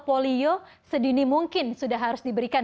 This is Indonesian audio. polio sedini mungkin sudah harus diberikan